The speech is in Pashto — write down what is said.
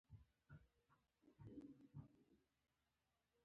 د کرایي محرابونو او اجیرو روحانیونو لخوا به خپرېږي.